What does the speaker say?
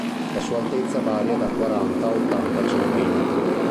La sua altezza varia da quaranta a ottanta centimetri.